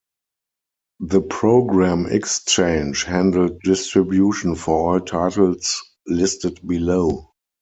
The Program Exchange handled distribution for all titles listed below.